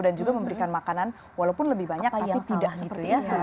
dan juga memberikan makanan walaupun lebih banyak tapi tidak seperti itu